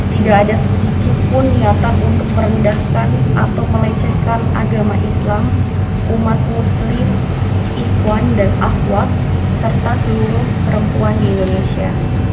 tidak ada sedikitpun niatan untuk merendahkan atau melecehkan agama islam umat muslim ikhwan dan ahwab serta seluruh perempuan di indonesia